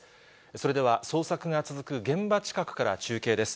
それでは、捜索が続く現場近くから中継です。